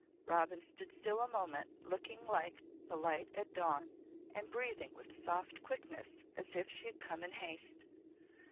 Robin stood still a moment looking like the light at dawn and breathing with soft quickness as if she had come in haste.